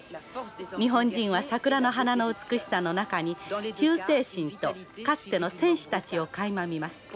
日本人は桜の花の美しさの中に忠誠心とかつての戦士たちをかいま見ます」。